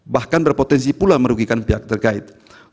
bahkan berpotensi pula merugikan pihak terkait